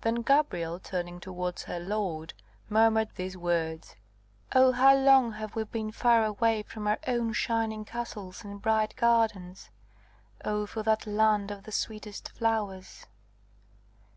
Then Gabrielle, turning towards her lord, murmured these words: "Oh, how long have we been far away from our own shining castles and bright gardens! Oh, for that land of the sweetest flowers!"